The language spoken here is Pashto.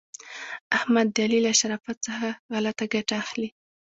احمد د علي له شرافت څخه غلته ګټه اخلي.